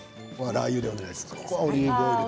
ラーユでお願いします。